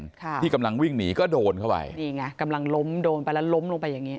ค่ะที่กำลังวิ่งหนีก็โดนเข้าไปนี่ไงกำลังล้มโดนไปแล้วล้มลงไปอย่างงี